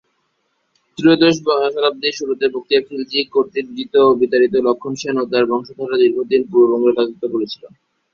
ত্রয়োদশ শতাব্দীর শুরুতে বখতিয়ার খিলজী কর্তৃক বিজিত ও বিতাড়িত লক্ষণ সেন ও তার বংশধররা দীর্ঘ দিন পূর্ববঙ্গে রাজত্ব করেছিল।